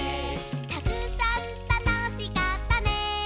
「たくさんたのしかったね」